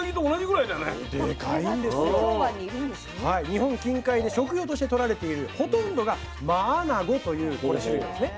日本近海で食用としてとられているほとんどがマアナゴというこれ種類なんですね。